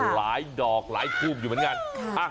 หลายดอกหลายทูบอยู่เหมือนกัน